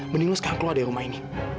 mending lu sekarang keluar deh rumah ini